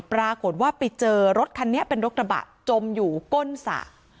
ปรากฏว่าไปเจอรถคันนี้เป็นรถกระบะจมอยู่ก้นสระ